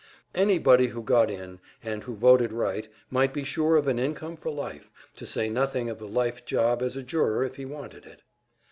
Anybody who got in, and who voted right, might be sure of an income for life, to say nothing of a life job as a juror if he wanted it.